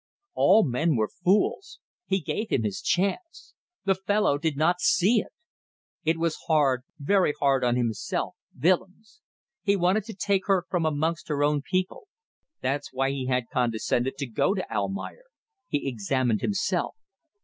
All men were fools. He gave him his chance. The fellow did not see it. It was hard, very hard on himself Willems. He wanted to take her from amongst her own people. That's why he had condescended to go to Almayer. He examined himself.